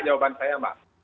jawaban saya mbak